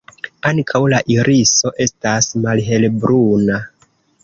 Ankaŭ la iriso estas malhelbruna.